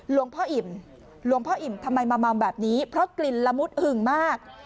หลวงพ่ออิ่มหลวงพ่ออิ่มทำไมมาเมาแบบนี้เพราะกลิ่นละมุดหึงมาก